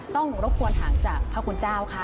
ต้องรบกวนห่างจากพระคุณเจ้าค่ะ